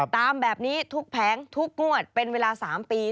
ตามแบบนี้ทุกแผงทุกงวดเป็นเวลา๓ปี